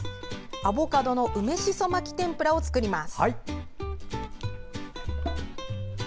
アボカドの梅しそ巻き天ぷらを作ります。